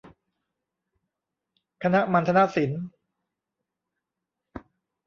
คณะมัณฑนศิลป์